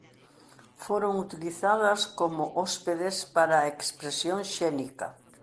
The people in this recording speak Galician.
Foron utilizadas como hóspedes para a expresión xénica.